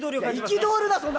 憤るな！